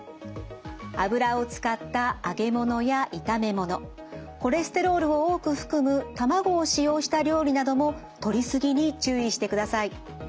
油を使った揚げものや炒めものコレステロールを多く含む卵を使用した料理などもとりすぎに注意してください。